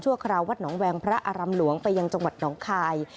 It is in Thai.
คราววัดหนองแวงพระอารำหลวงไปยังจังหวัดหนองคาย